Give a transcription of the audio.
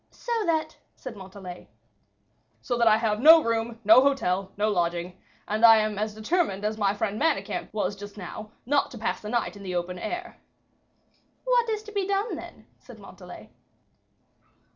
"So that " said Montalais. "So that I have no room, no hotel, no lodging; and I am as determined as my friend Manicamp was just now, not to pass the night in the open air." "What is to be done, then?" said Montalais.